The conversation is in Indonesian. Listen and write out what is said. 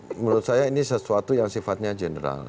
saya rasa menurut saya ini sesuatu yang sifatnya general